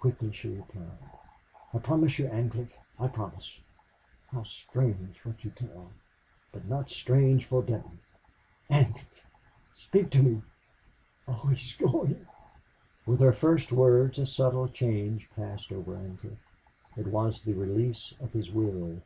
Quickly she replied, "I promise you, Ancliffe, I promise... How strange what you tell!... But not strange for Benton!... Ancliffe! Speak to me! Oh, he is going!" With her first words a subtle change passed over Ancliffe. It was the release of his will.